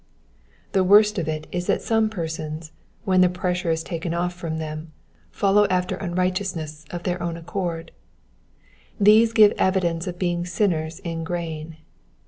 The worst of it is that some persons, when the pressure is taken off from them, follow after unrighteousness of their own accord. These give evidence of being sinners in grain.